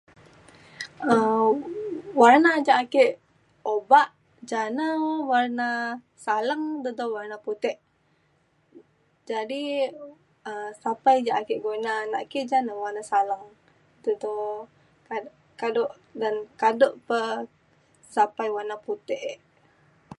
um warna ja ake obak ja na warna saleng dedo warna putek jadi um sapai ja ake guna naki jana warna saleng dedo kado dan kado pa sapai warna putek ek